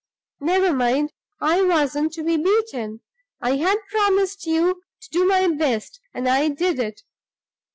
Never mind! I wasn't to be beaten; I had promised you to do my best, and I did it.